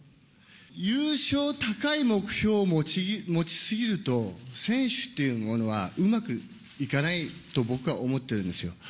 優勝、高い目標を持ち過ぎると、選手っていうものはうまくいかないと、僕は思ってるんですよ。